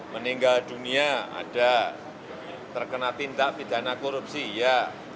meninggal dunia ada terkena tindak pidana korupsi ya